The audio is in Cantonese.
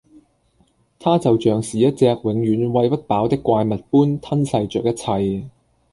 它就像是一隻永遠餵不飽的怪物般吞噬著一切